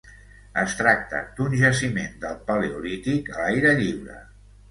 Es tracte d'un jaciment del Paleolític a l'aire lliure.